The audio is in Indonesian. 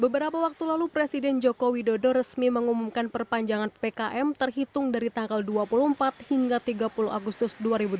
beberapa waktu lalu presiden joko widodo resmi mengumumkan perpanjangan ppkm terhitung dari tanggal dua puluh empat hingga tiga puluh agustus dua ribu dua puluh